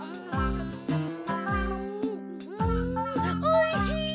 おいしい！